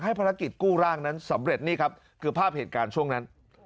ภารกิจกู้ร่างนั้นสำเร็จนี่ครับคือภาพเหตุการณ์ช่วงนั้น